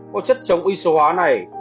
có chất chống y số hóa này